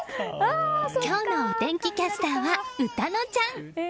今日のお天気キャスターは詩乃ちゃん。